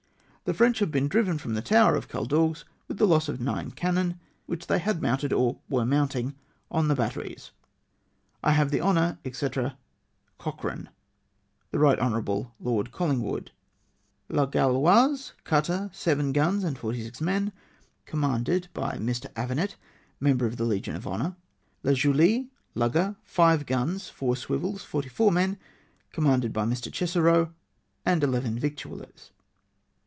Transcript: " The French have been driven from the tower of Caldagues with the loss of nine cannon, winch they had mounted or were mounting on the batteries. " I have the honour, &c. " Cochrane. " The Right Hon. Lord Collingwood." " La Gauloise, cutter, 7 guns and 46 men, commanded by Mr. Avanet, Member of the Legion of Honour. " La Julie, lugger, 5 guns, 4 swivels, 44 men, commanded by Mr. Chassereau. " And eleven victuallers."